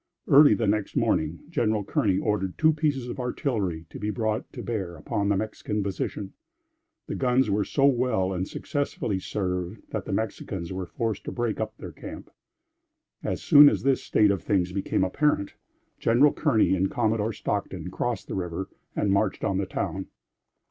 Early the next morning, General Kearney ordered two pieces of artillery to be brought to bear upon the Mexican position. The guns were so well and successfully served, that the Mexicans were forced to break up their camp. As soon as this state of things became apparent, General Kearney and Commodore Stockton crossed the river and marched on the town.